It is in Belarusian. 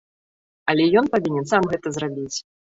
Але ён павінен сам гэта зрабіць.